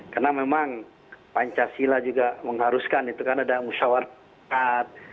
karena memang pancasila juga mengharuskan itu kan ada musyawarah